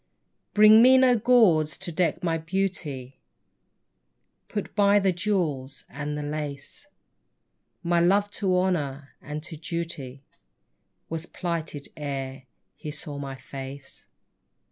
Bring me no gauds to deck my beauty, Put by the jewels and the lace ; My love to honour and to duty Was plighted ere he saw my face.